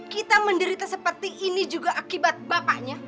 kita menderita seperti ini juga akibat bapaknya